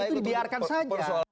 itu dibiarkan saja